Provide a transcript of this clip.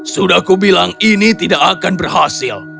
sudah kubilang ini tidak akan berhasil